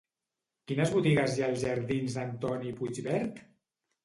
Quines botigues hi ha als jardins d'Antoni Puigvert?